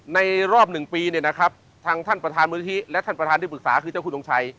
ในรอบ๑ปีท่านประธานมือธิและท่านประธานที่ปรึกษาคือเจ้าคุณทรงชัย